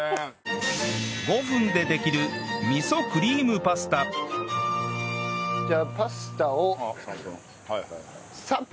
５分でできる味噌クリームパスタじゃあパスタを３分？